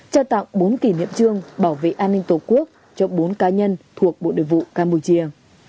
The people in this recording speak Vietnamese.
trao tặng bốn kỷ niệm chương bảo vệ an ninh tổ quốc cho bốn cá nhân thuộc bộ đội vụ campuchia